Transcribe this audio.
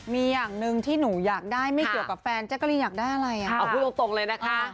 มีอย่างหนึ่งที่หนูอยากได้ไม่เกี่ยวกับแฟนแจ๊กกะรีนอยากได้อะไรอ่ะเอาพูดตรงเลยนะคะ